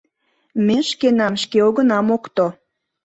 — Ме шкенам шке огына мокто.